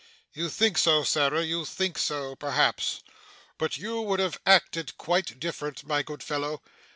'You think so, Sarah, you think so perhaps; but you would have acted quite different, my good fellow.